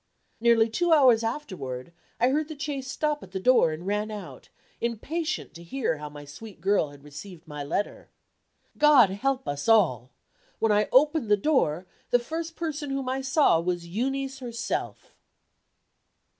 Nearly two hours afterward, I heard the chaise stop at the door, and ran out, impatient to hear how my sweet girl had received my letter. God help us all! When I opened the door, the first person whom I saw was Euneece herself.